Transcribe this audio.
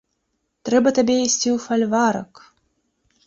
Трэба табе ісці ў фальварак!